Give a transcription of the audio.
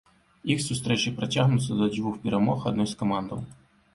Іх сустрэчы працягнуцца да дзвюх перамог адной з камандаў.